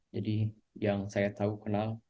jadi yang saya tahu kenal